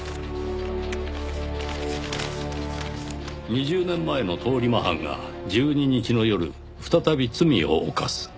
「２０年前の通り魔犯が１２日の夜再び罪を犯す」